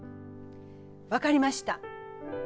分かりました。